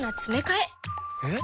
えっ？